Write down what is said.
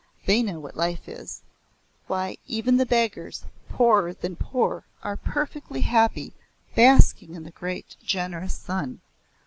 They know what life is why even the beggars, poorer than poor, are perfectly happy, basking in the great generous sun.